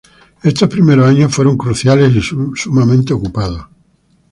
Estos primeros años fueron cruciales y sumamente ocupados.